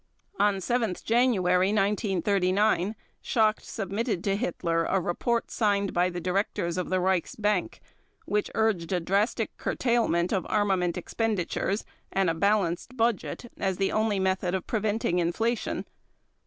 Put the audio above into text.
On 7 January 1939 Schacht submitted to Hitler a report signed by the Directors of the Reichsbank which urged a drastic curtailment of armament expenditures and a balanced budget as the only method of preventing inflation.